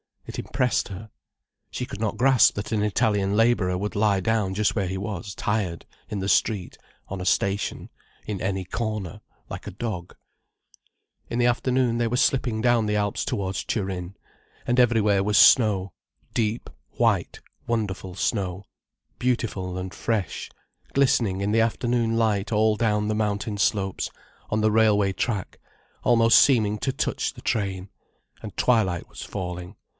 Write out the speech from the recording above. It impressed her. She could not grasp that an Italian labourer would lie down just where he was tired, in the street, on a station, in any corner, like a dog. In the afternoon they were slipping down the Alps towards Turin. And everywhere was snow—deep, white, wonderful snow, beautiful and fresh, glistening in the afternoon light all down the mountain slopes, on the railway track, almost seeming to touch the train. And twilight was falling.